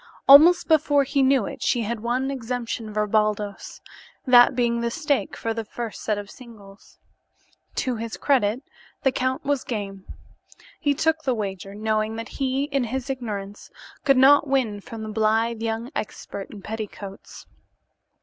Almost before he knew it she had won exemption for Baldos, that being the stake for the first set of singles. To his credit, the count was game. He took the wager, knowing that he, in his ignorance, could not win from the blithe young expert in petticoats.